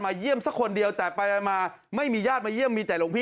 เยี่ยมสักคนเดียวแต่ไปมาไม่มีญาติมาเยี่ยมมีแต่หลวงพี่